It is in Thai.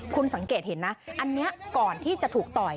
คุณสังเกตเห็นนะอันนี้ก่อนที่จะถูกต่อย